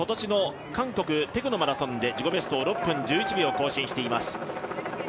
今年の韓国テグのマラソンで自己ベストを６分１１秒更新しています。